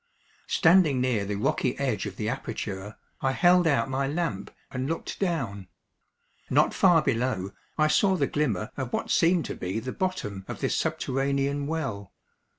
Standing near the rocky edge of the aperture, I held out my lamp and looked down. Not far below I saw the glimmer of what seemed to be the bottom of this subterranean well.